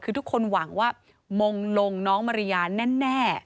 คือทุกคนหวังว่ามงลงน้องมาริยาแน่